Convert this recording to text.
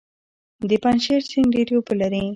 د پنجشیر سیند ډیرې اوبه لري